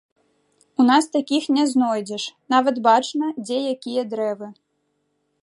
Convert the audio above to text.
У нас такіх не знойдзеш, нават бачна, дзе якія дрэвы.